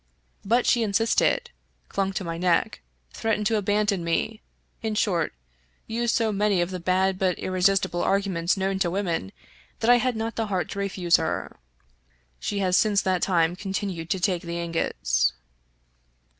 But she per sisted, clung to my neck, threatened to abandon me; in short, used so many of the bad but irresistible arguments known to women that I had not the heart to refuse her. She has since that time continued to take the ingots.